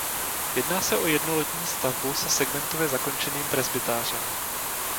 Jedná se o jednolodní stavbu se segmentově zakončeným presbytářem.